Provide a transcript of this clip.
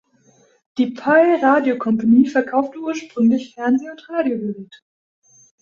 Die "Pye Radio Company" verkaufte ursprünglich Fernseh- und Radiogeräte.